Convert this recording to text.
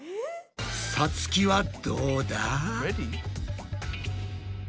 さつきはどうだ？